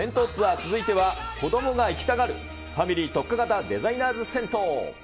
続いては、子どもが行きたがるファミリー特化型デザイナーズ銭湯。